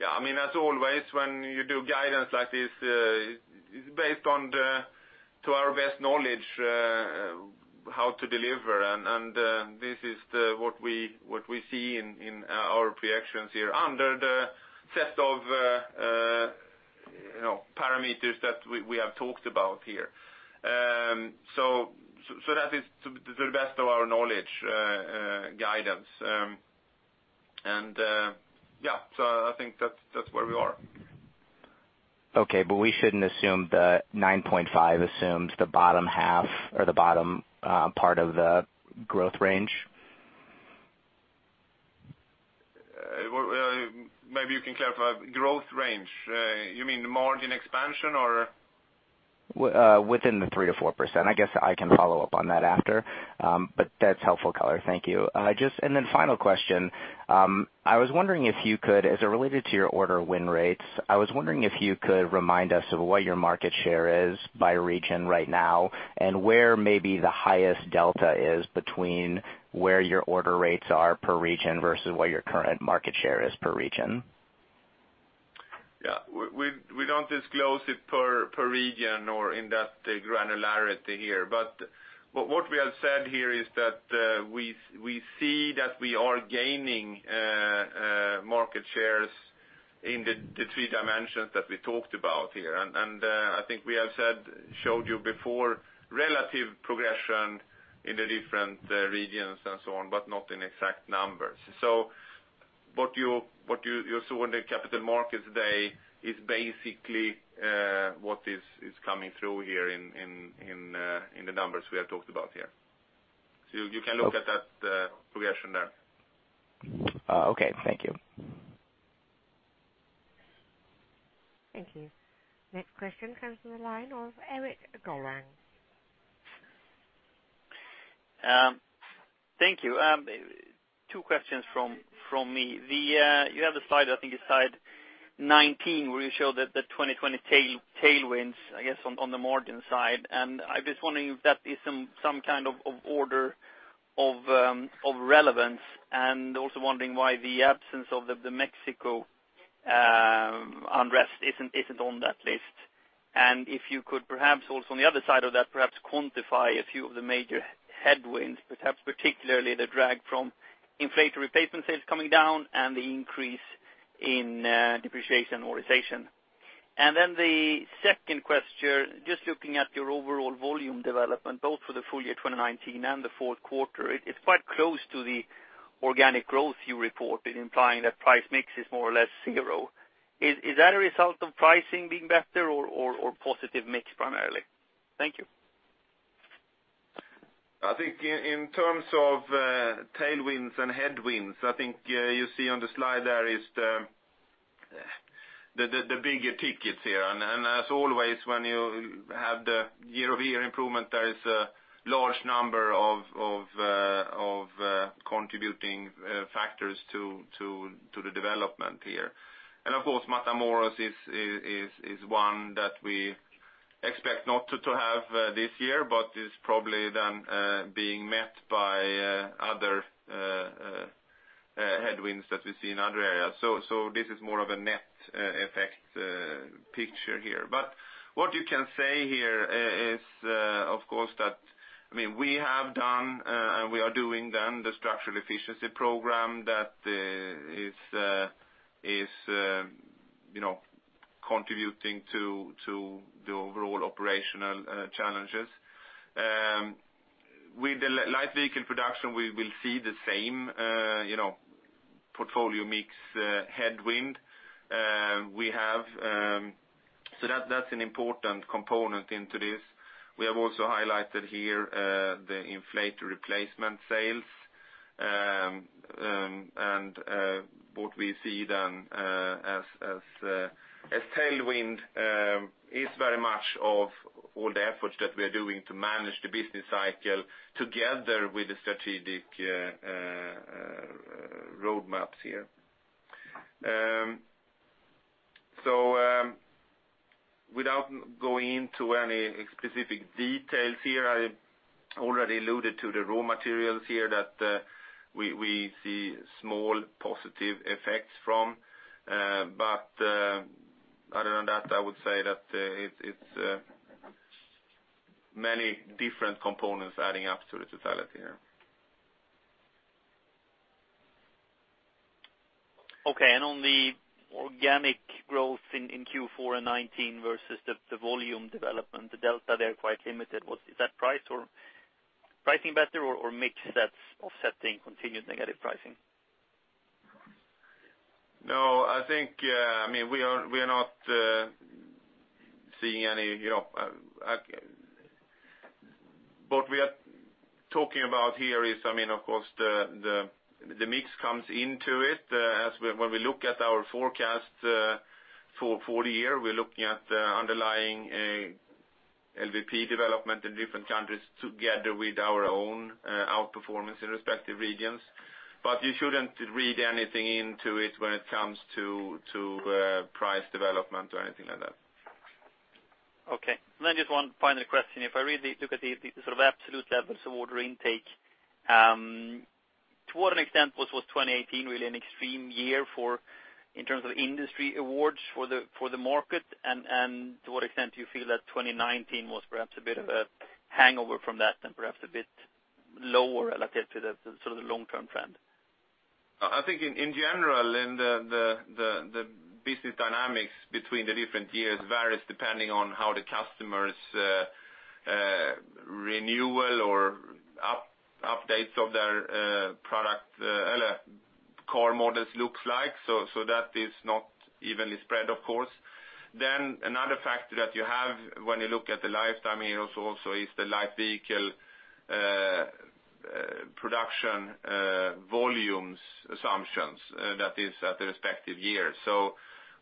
Yeah. As always, when you do guidance like this, it's based on to our best knowledge how to deliver. This is what we see in our projections here under the set of parameters that we have talked about here. That is to the best of our knowledge, guidance. I think that's where we are. Okay. We shouldn't assume the 9.5% assumes the bottom half or the bottom part of the growth range? Maybe you can clarify. Growth range. You mean margin expansion, or? Within the 3%-4%. I guess I can follow up on that after. That's helpful color. Thank you. Final question. As it related to your order win rates, I was wondering if you could remind us of what your market share is by region right now, and where maybe the highest delta is between where your order rates are per region versus what your current market share is per region. We don't disclose it per region or in that granularity here. What we have said here is that we see that we are gaining market shares in the three dimensions that we talked about here. I think we have showed you before relative progression in the different regions and so on, but not in exact numbers. What you saw on the Capital Markets Day is basically what is coming through here in the numbers we have talked about here. You can look at that progression there. Okay, thank you. Thank you. Next question comes from the line of Erik Golrang. Thank you. Two questions from me. You have the slide, I think it's slide 19, where you show the 2020 tailwinds, I guess, on the margin side. I'm just wondering if that is some kind of order of relevance, also wondering why the absence of the Mexico unrest isn't on that list. If you could perhaps also, on the other side of that, perhaps quantify a few of the major headwinds, perhaps particularly the drag from inflator replacement sales coming down and the increase in depreciation amortization. The second question, just looking at your overall volume development, both for the full year 2019 and the fourth quarter, it's quite close to the organic growth you reported, implying that price mix is more or less zero. Is that a result of pricing being better or positive mix primarily? Thank you. I think in terms of tailwinds and headwinds, I think you see on the slide there is the bigger tickets here. As always, when you have the year-over-year improvement, there is a large number of contributing factors to the development here. Of course, Matamoros is one that we expect not to have this year, but is probably then being met by other headwinds that we see in other areas. This is more of a net effect picture here. What you can say here is, of course, that we have done, and we are doing then the structural efficiency program that is contributing to the overall operational challenges. With the light vehicle production, we will see the same portfolio mix headwind we have. That's an important component into this. We have also highlighted here the inflator replacement sales, and what we see then as tailwind is very much of all the efforts that we're doing to manage the business cycle together with the strategic roadmaps here. Without going into any specific details here, I already alluded to the raw materials here that we see small positive effects from. Other than that, I would say that it's many different components adding up to the totality here. Okay. On the organic growth in Q4 and 2019 versus the volume development, the delta there quite limited. Is that pricing better or mix that's offsetting continued negative pricing? No. What we are talking about here is, of course, the mix comes into it. When we look at our forecast for full year, we're looking at underlying LVP development in different countries together with our own outperformance in respective regions. You shouldn't read anything into it when it comes to price development or anything like that. Okay. Just one final question. If I really look at the sort of absolute levels of order intake, to what an extent was 2018 really an extreme year in terms of industry awards for the market? To what extent do you feel that 2019 was perhaps a bit of a hangover from that, and perhaps a bit lower relative to the sort of the long-term trend? I think in general, the business dynamics between the different years varies depending on how the customer's renewal or updates of their product, car models looks like. That is not evenly spread, of course. Another factor that you have when you look at the lifetime here also is the light vehicle production volumes assumptions, that is at the respective year.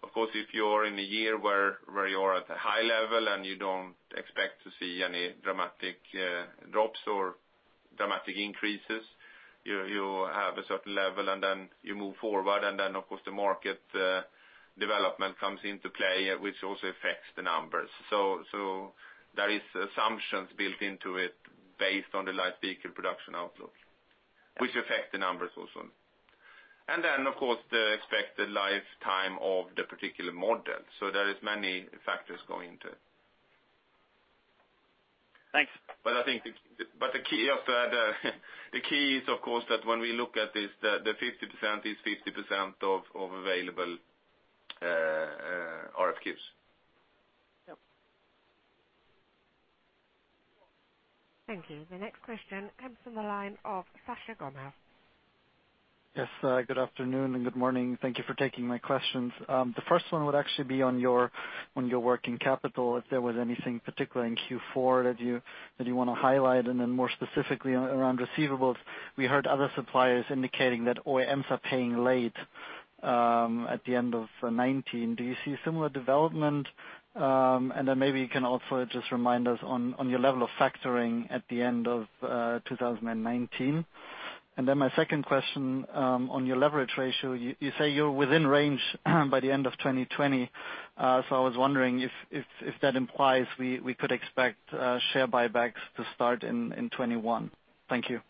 Of course, if you're in a year where you are at a high level and you don't expect to see any dramatic drops or dramatic increases, you have a certain level and then you move forward, and then, of course, the market development comes into play, which also affects the numbers. There is assumptions built into it based on the light vehicle production outlook, which affect the numbers also. Of course, the expected lifetime of the particular model. There is many factors going into it. Thanks. I think the key is, of course, that when we look at this, the 50% is 50% of available RFQs. Yep. Thank you. The next question comes from the line of Sascha Gommel. Yes, good afternoon and good morning. Thank you for taking my questions. The first one would actually be on your working capital, if there was anything particular in Q4 that you want to highlight. More specifically around receivables, we heard other suppliers indicating that OEMs are paying late at the end of 2019. Do you see similar development? Maybe you can also just remind us on your level of factoring at the end of 2019. My second question on your leverage ratio, you say you're within range by the end of 2020. I was wondering if that implies we could expect share buybacks to start in 2021. Thank you.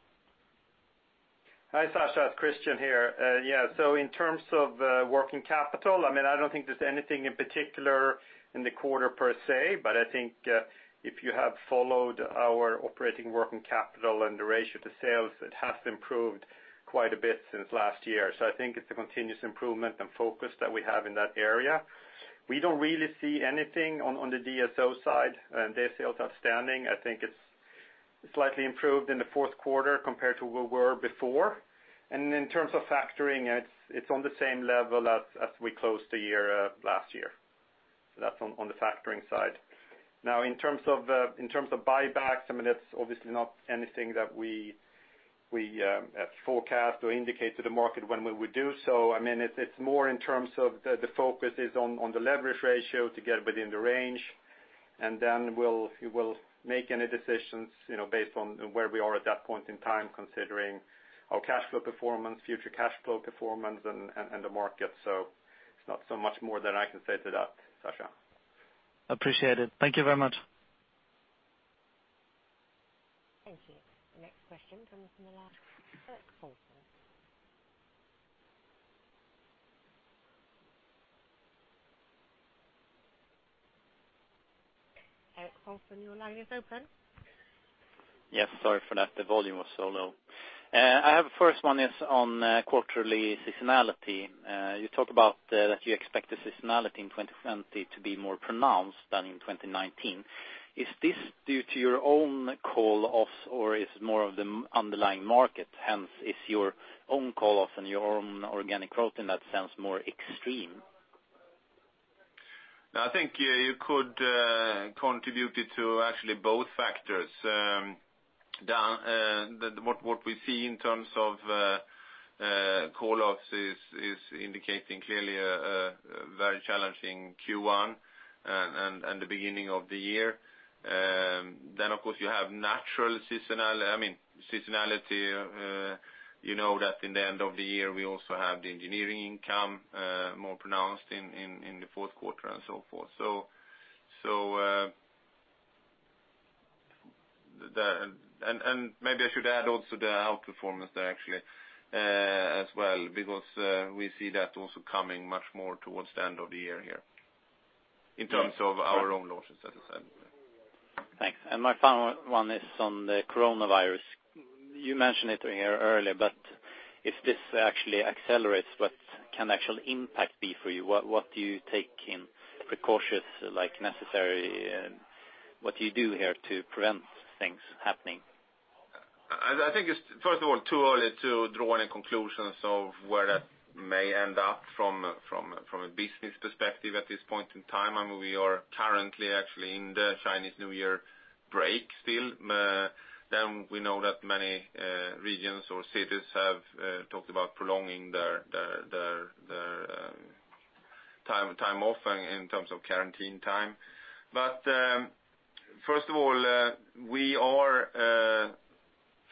Hi, Sascha. It's Christian here. In terms of working capital, I don't think there's anything in particular in the quarter per se, but I think if you have followed our operating working capital and the ratio to sales, it has improved quite a bit since last year. I think it's a continuous improvement and focus that we have in that area. We don't really see anything on the DSO side, day sales outstanding. I think it's slightly improved in the fourth quarter compared to where we were before. In terms of factoring, it's on the same level as we closed the year last year. That's on the factoring side. In terms of buybacks, that's obviously not anything that we forecast or indicate to the market when we would do so. It's more in terms of the focus is on the leverage ratio to get within the range, and then we'll make any decisions based on where we are at that point in time, considering our cash flow performance, future cash flow performance, and the market. It's not so much more that I can say to that, Sascha. Appreciate it. Thank you very much. Thank you. The next question comes from the line of [Erik Golrang]. [Erik Golrang], your line is open. Yes, sorry for that. The volume was so low. I have first one is on quarterly seasonality. You talk about that you expect the seasonality in 2020 to be more pronounced than in 2019. Is this due to your own call-offs or is it more of the underlying market? Hence, is your own call-offs and your own organic growth in that sense more extreme? I think you could contribute it to actually both factors. What we see in terms of call-offs is indicating clearly a very challenging Q1 and the beginning of the year. Of course, you have natural seasonality. You know that in the end of the year, we also have the engineering income, more pronounced in the fourth quarter and so forth. Maybe I should add also the outperformance there, actually, as well, because we see that also coming much more towards the end of the year here in terms of our own launches, that is. Thanks. My final one is on the coronavirus. You mentioned it here earlier, but if this actually accelerates, what can actual impact be for you? What do you do here to prevent things happening? I think it's, first of all, too early to draw any conclusions of where that may end up from a business perspective at this point in time. We are currently actually in the Chinese New Year break still. We know that many regions or cities have talked about prolonging their time off in terms of quarantine time. First of all, we are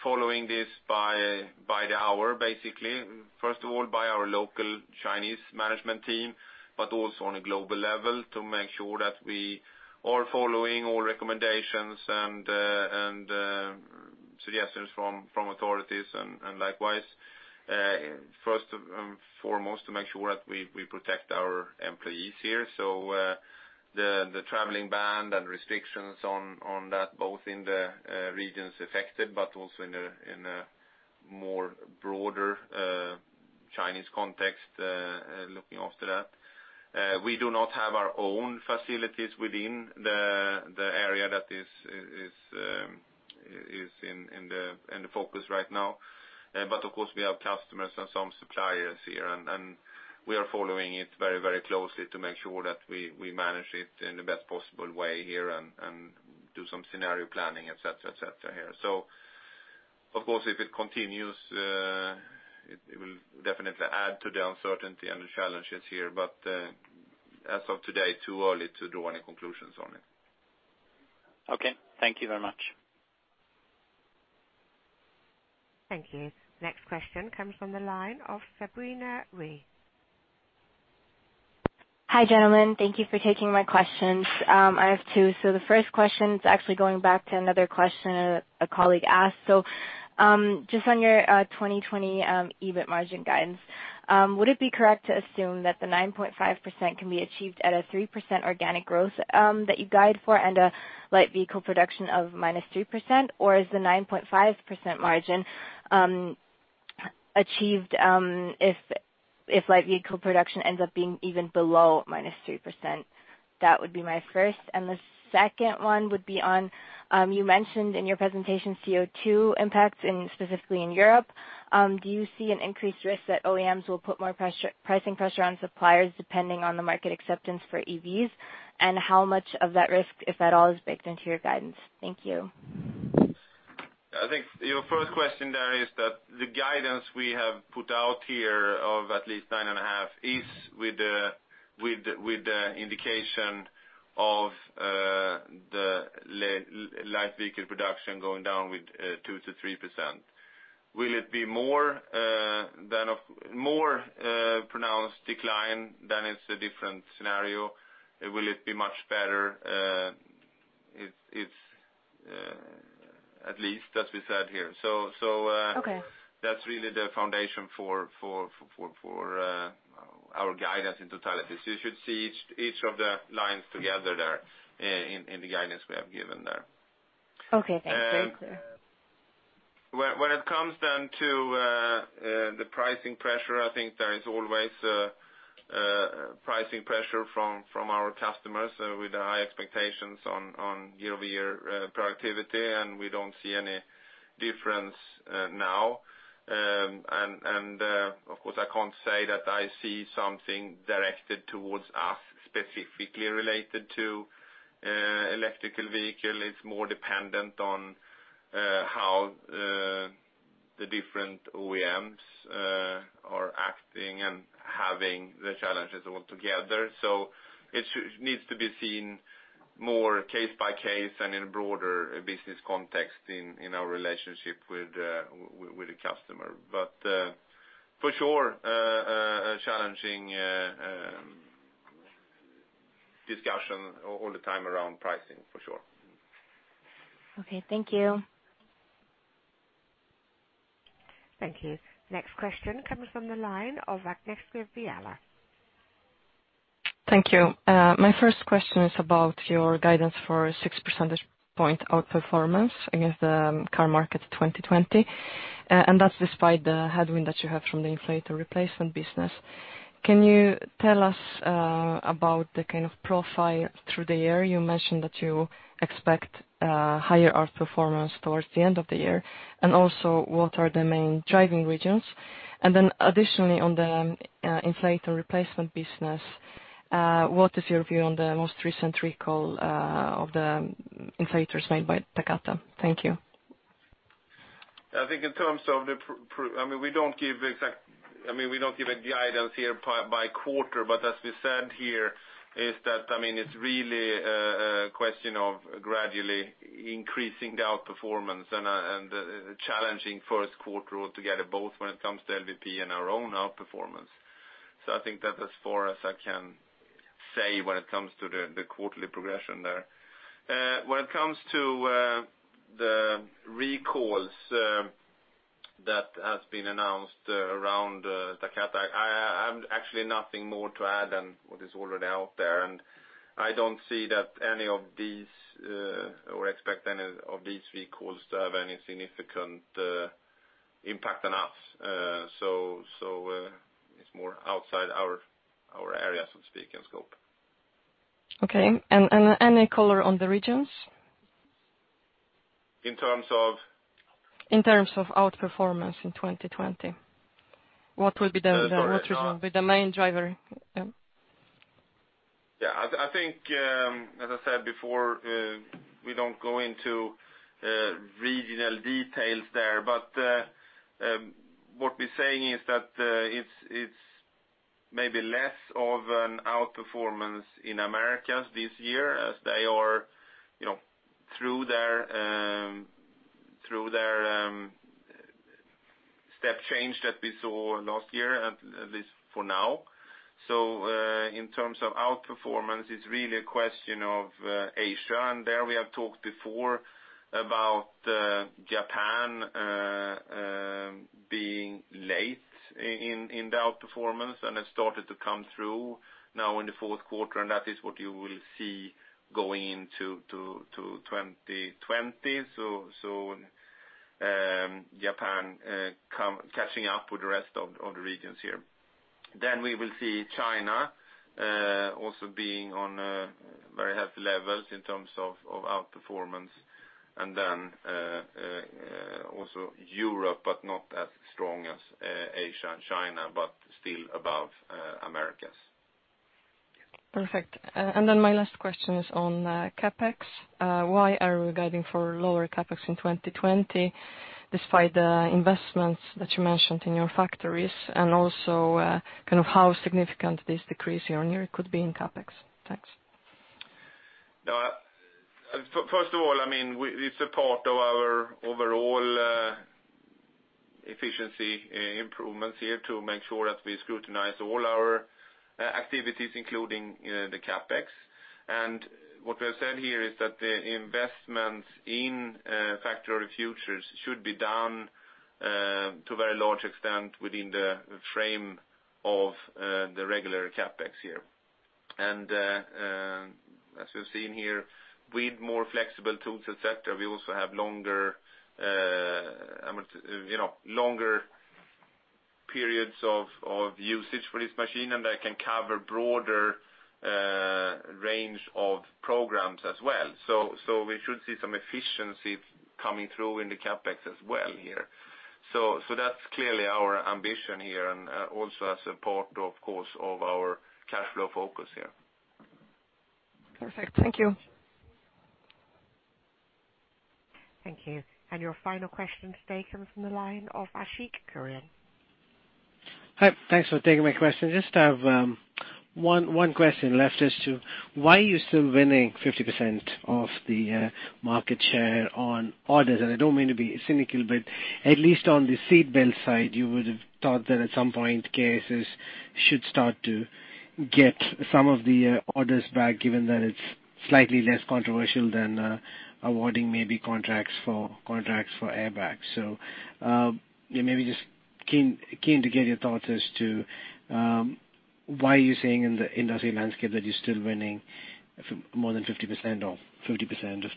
following this by the hour, basically. First of all, by our local Chinese management team, but also on a global level to make sure that we are following all recommendations and suggestions from authorities and likewise. Foremost to make sure that we protect our employees here. The traveling ban and restrictions on that, both in the regions affected, but also in a more broader Chinese context, looking after that. We do not have our own facilities within the area that is in the focus right now. Of course, we have customers and some suppliers here, and we are following it very closely to make sure that we manage it in the best possible way here and do some scenario planning, et cetera. Of course, if it continues, it will definitely add to the uncertainty and the challenges here. As of today, too early to do any conclusions on it. Okay. Thank you very much. Thank you. Next question comes from the line of Sabrina Reeh. Hi, gentlemen. Thank you for taking my questions. I have two. The first question is actually going back to another question a colleague asked. Just on your 2020 EBIT margin guidance, would it be correct to assume that the 9.5% can be achieved at a 3% organic growth that you guide for and a light vehicle production of -3%? Is the 9.5% margin achieved if light vehicle production ends up being even below -3%? That would be my first, and the second one would be on, you mentioned in your presentation CO2 impacts specifically in Europe. Do you see an increased risk that OEMs will put more pricing pressure on suppliers depending on the market acceptance for EVs? How much of that risk, if at all, is baked into your guidance? Thank you. I think your first question there is that the guidance we have put out here of at least 9.5% Is with the indication of the light vehicle production going down with 2%-3%. Will it be more pronounced decline than it's a different scenario? Will it be much better? It's at least, as we said here. Okay. That's really the foundation for our guidance in totality. You should see each of the lines together there in the guidance we have given there. Okay. Thanks. Very clear. When it comes to the pricing pressure, I think there is always pricing pressure from our customers with high expectations on year-over-year productivity, and we don't see any difference now. Of course, I can't say that I see something directed towards us specifically related to electrical vehicle. It's more dependent on how the different OEMs are acting and having the challenges all together. It needs to be seen more case by case and in a broader business context in our relationship with the customer. For sure, a challenging discussion all the time around pricing, for sure. Okay. Thank you. Thank you. Next question comes from the line of Agnieszka Vilela. Thank you. My first question is about your guidance for a 6 percentage point outperformance against the car market 2020, and that's despite the headwind that you have from the inflator replacement business. Can you tell us about the kind of profile through the year? You mentioned that you expect higher outperformance towards the end of the year, and also what are the main driving regions? Additionally on the inflator replacement business, what is your view on the most recent recall of the inflators made by Takata? Thank you. We don't give the guidance here by quarter, but as we said here is that it's really a question of gradually increasing the outperformance and the challenging first quarter altogether, both when it comes to LVP and our own outperformance. I think that's as far as I can say when it comes to the quarterly progression there. When it comes to the recalls that has been announced around Takata, I have actually nothing more to add than what is already out there. I don't see that any of these, or expect any of these recalls to have any significant impact on us. It's more outside our area, so to speak, and scope. Okay. Any color on the regions? In terms of? In terms of outperformance in 2020. What will be the main driver? I think, as I said before, we don't go into regional details there. What we're saying is that it's maybe less of an outperformance in Americas this year as they are through their step change that we saw last year, at least for now. In terms of outperformance, it's really a question of Asia. There we have talked before about Japan being late in the outperformance, and has started to come through now in the fourth quarter, and that is what you will see going into 2020. Japan catching up with the rest of the regions here. We will see China also being on very healthy levels in terms of outperformance. Also Europe, but not as strong as Asia and China, but still above Americas. Perfect. My last question is on CapEx. Why are we guiding for lower CapEx in 2020 despite the investments that you mentioned in your factories? How significant this decrease year-on-year could be in CapEx? Thanks. It's a part of our overall efficiency improvements here to make sure that we scrutinize all our activities, including the CapEx. What we have said here is that the investments in Factory of the Future should be done to a very large extent within the frame of the regular CapEx here. As we've seen here, with more flexible tools, et cetera, we also have longer periods of usage for this machine, and that can cover broader range of programs as well. We should see some efficiency coming through in the CapEx as well here. That's clearly our ambition here, and also as a part, of course, of our cash flow focus here. Perfect. Thank you. Thank you. Your final question today comes from the line of Ashik Kurian. Hi. Thanks for taking my question. Just have one question left as to why you're still winning 50% of the market share on orders? I don't mean to be cynical, but at least on the seat belt side, you would've thought that at some point, KSS should start to get some of the orders back, given that it's slightly less controversial than awarding maybe contracts for airbags. Maybe just keen to get your thoughts as to why you're saying in the industry landscape that you're still winning more than 50% of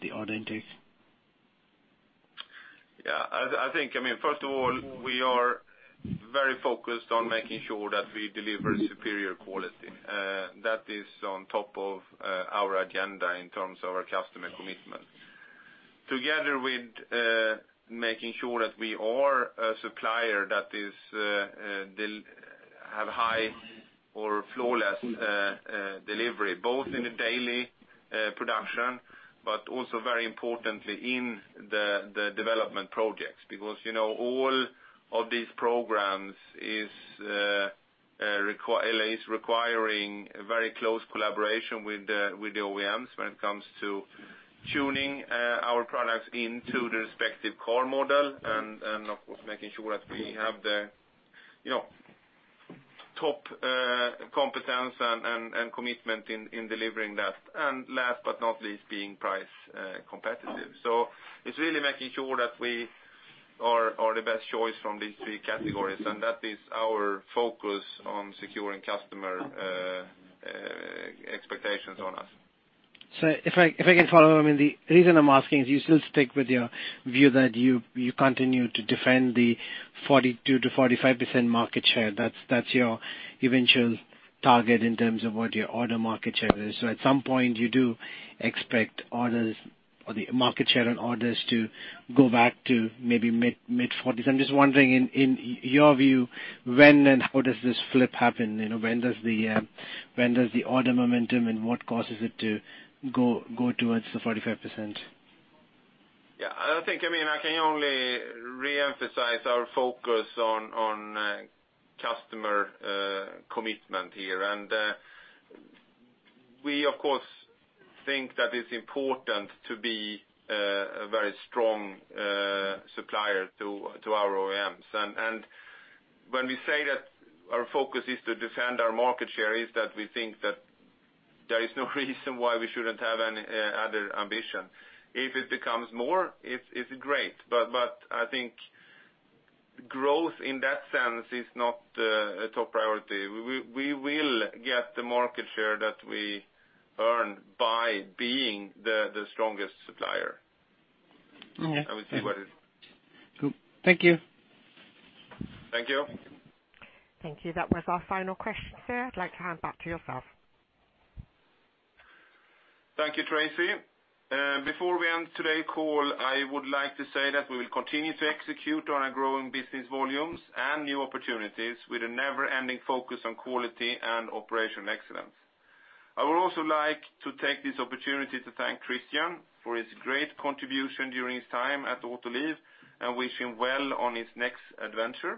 the order intake. Yeah. First of all, we are very focused on making sure that we deliver superior quality. That is on top of our agenda in terms of our customer commitment. Together with making sure that we are a supplier that have high or flawless delivery, both in the daily production, but also very importantly in the development projects. All of these programs is requiring a very close collaboration with the OEMs when it comes to tuning our products into the respective car model, and of course, making sure that we have the top competence and commitment in delivering that, and last but not least, being price competitive. It's really making sure that we are the best choice from these three categories, and that is our focus on securing customer expectations on us. If I can follow, the reason I'm asking is, do you still stick with your view that you continue to defend the 42%-45% market share? That's your eventual target in terms of what your order market share is. At some point, you do expect orders or the market share on orders to go back to maybe mid-40s. I'm just wondering, in your view, when and how does this flip happen? When does the order momentum, and what causes it to go towards the 45%? Yeah. I can only reemphasize our focus on customer commitment here. We, of course, think that it's important to be a very strong supplier to our OEMs. When we say that our focus is to defend our market share, is that we think that there is no reason why we shouldn't have any other ambition. If it becomes more, it's great. I think growth in that sense is not a top priority. We will get the market share that we earned by being the strongest supplier. Okay. we see what it Cool. Thank you. Thank you. Thank you. That was our final question, sir. I'd like to hand back to yourself. Thank you, Tracy. Before we end today's call, I would like to say that we will continue to execute on our growing business volumes and new opportunities with a never-ending focus on quality and operational excellence. I would also like to take this opportunity to thank Christian for his great contribution during his time at Autoliv, and wish him well on his next adventure.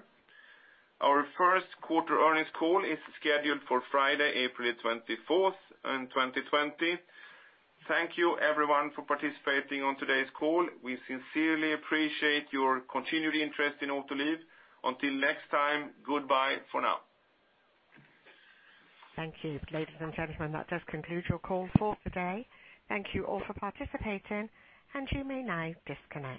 Our first quarter earnings call is scheduled for Friday, April 24th in 2020. Thank you everyone for participating on today's call. We sincerely appreciate your continued interest in Autoliv. Until next time, goodbye for now. Thank you. Ladies and gentlemen, that does conclude your call for today. Thank you all for participating, and you may now disconnect.